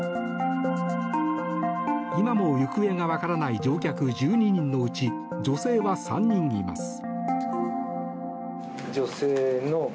今も行方が分からない乗客１２人のうち女性は３人います。